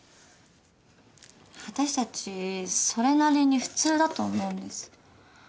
私たちそれなりに普通だと思うんです。